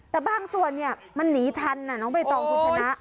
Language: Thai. แต่บางส่วนมันหนีทันน้องเบรตองคุณชนะ